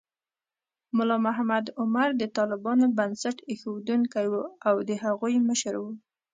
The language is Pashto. ملا محمد عمر د طالبانو بنسټ ایښودونکی و او د هغوی مشر و.